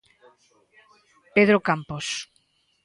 Pedro Campos.